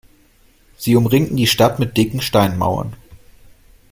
Sie umringten die Stadt mit dicken Steinmauern.